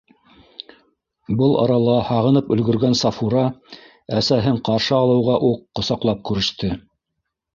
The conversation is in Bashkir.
Был арала һағынып өлгөргән Сафура әсәһен ҡаршы алыуға уҡ ҡосаҡлап күреште.